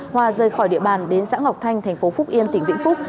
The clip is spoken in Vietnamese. hòa rời khỏi địa bàn đến xã ngọc thanh thành phố phúc yên tỉnh vĩnh phúc